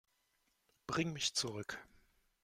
Bring mich zurück.